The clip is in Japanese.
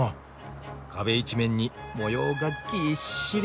壁一面に模様がぎっしり。